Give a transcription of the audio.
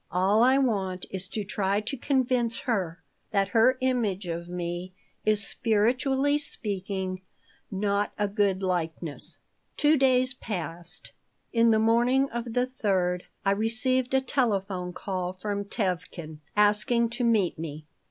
All I want is to try to convince her that her image of me is, spiritually speaking, not a good likeness." Two days passed. In the morning of the third I received a telephone call from Tevkin, asking to meet me.